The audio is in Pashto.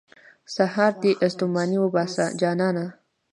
سهار دې ستوماني وباسه، جانانه.